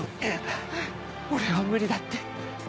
俺は無理だって。